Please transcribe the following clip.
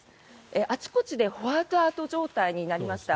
あちこちでホワイトアウト状態になりました。